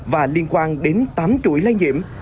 và liên quan đến tám chuỗi lai nhiễm